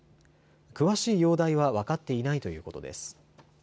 詳しい容体は分かっていないということです。